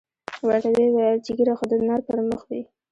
ورته ویې ویل چې ږیره خو د نر پر مخ وي.